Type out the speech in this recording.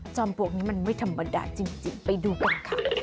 ปลวกนี้มันไม่ธรรมดาจริงไปดูกันค่ะ